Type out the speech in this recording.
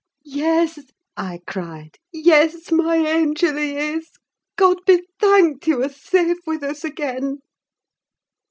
"Yes," I cried: "yes, my angel, he is, God be thanked, you are safe with us again!"